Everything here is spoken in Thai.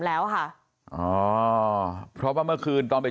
และก็คือว่าถึงแม้วันนี้จะพบรอยเท้าเสียแป้งจริงไหม